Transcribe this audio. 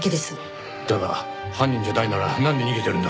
だが犯人じゃないならなんで逃げてるんだ？